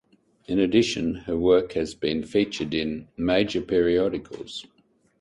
In addition her work has been featured in major periodicals.